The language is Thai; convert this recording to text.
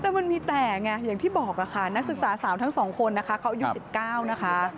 ตัวมันมีแต่อย่างที่บอกนักศึกษาสาวทั้ง๒คนเขาอายุ๑๙นะคะ